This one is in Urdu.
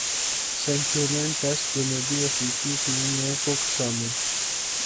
سنچورین ٹیسٹ جنوبی افریقی ٹیم میں کک شامل